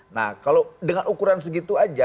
nah kalau dengan ukuran segitu aja